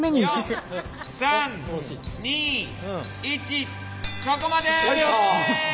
４３２１そこまで！